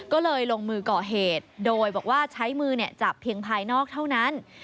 ก็เลยลงมือก่อเหตุโดยบอกว่าใช้มือจับเพียงภายนอกเท่านั้น